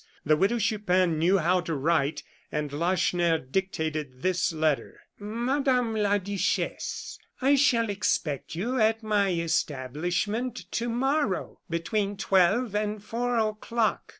The Widow Chupin knew how to write, and Lacheneur dictated this letter: "Madame la Duchesse I shall expect you at my establishment to morrow between twelve and four o'clock.